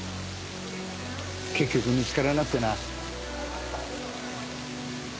結局見つからなくてな。